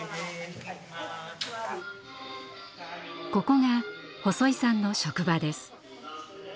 ここが細井さんの職場です。